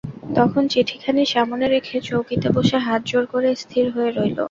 তখন চিঠিখানি সামনে রেখে চৌকিতে বসে হাত জোড় করে স্থির হয়ে রইল।